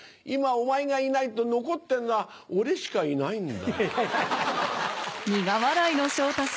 今、お前がいないと残ってるのは、俺しかいないんだ。